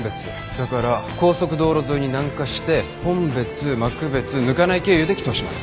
だから高速道路沿いに南下して本別幕別糠内経由で帰投します。